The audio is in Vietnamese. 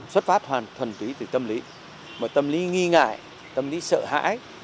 xuất phát hoàn thuần túy từ tâm lý mà tâm lý nghi ngại tâm lý sợ hãi